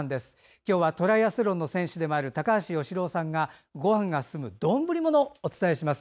今日はトライアスロンの選手でもある高橋善郎さんがごはんが進む丼ものをご紹介します。